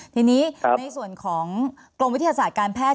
ทีนี้ในส่วนของกรมวิทยาศาสตร์การแพทย์